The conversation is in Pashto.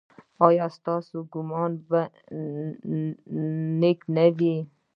ایا ستاسو ګمان به نیک نه وي؟